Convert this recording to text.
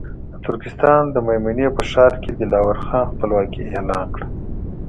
د ترکستان د مېمنې په ښار کې دلاور خان خپلواکي اعلان کړه.